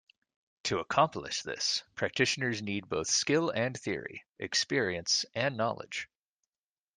To accomplish this, practitioners need both skill and theory, experience and knowledge.